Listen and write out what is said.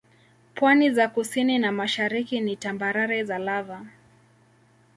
Pwani za kusini na mashariki ni tambarare za lava.